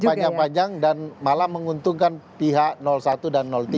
panjang panjang dan malah menguntungkan pihak satu dan tiga